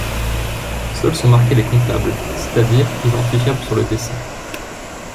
Seul son marqué les comptables, c'est-à-dire identifiable sur le dessin.